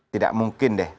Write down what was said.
tidak mungkin deh